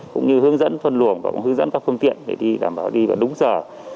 cũng như hướng dẫn phân luồng và hướng dẫn các phương tiện để đảm bảo đi vào đúng giờ